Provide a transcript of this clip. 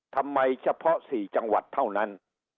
เฉพาะ๔จังหวัดเท่านั้น